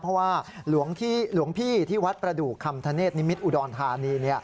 เพราะว่าหลวงพี่ที่วัดประดูกคำธเนธนิมิตรอุดรธานี